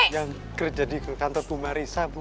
yang kerja di kantor puma risa bu